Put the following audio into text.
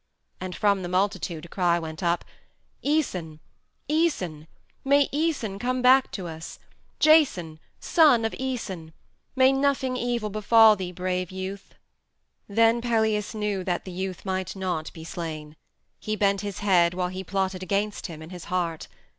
And from the multitude a cry went up, "Æson, Æson! May Æson come back to us! Jason, son of Æson! May nothing evil befall thee, brave youth!" Then Pelias knew that the youth might not be slain. He bent his head while he plotted against him in his heart.